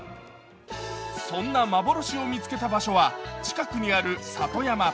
そんな幻を見つけた場所は近くにある里山。